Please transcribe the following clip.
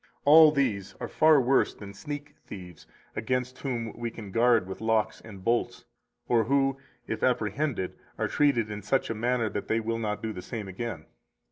All these are far worse than sneak thieves, against whom we can guard with locks and bolts, or who, if apprehended, are treated in such a manner that they will not do the same again.